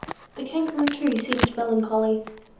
The Kangaroo too seemed melancholy.